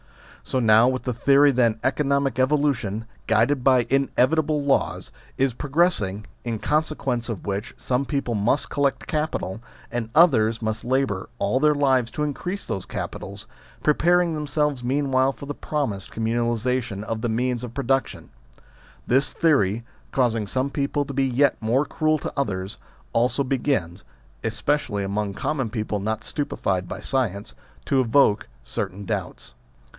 So now with the theory that an economic evolution, guided by inevitable laws, is progress ing, in consequence of which some people must collect capital, and others must labour all their lives to increase those capitals, preparing them selves meanwhile for the promised communalisa tion of the means of production ; this theory, causing some people to be yet more cruel to others, also begins (especially among common people not stupefied by science) to evoke certain doubts.